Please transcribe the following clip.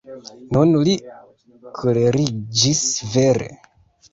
Nun li koleriĝis vere.